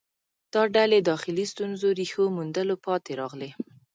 دا ډلې داخلي ستونزو ریښو موندلو پاتې راغلې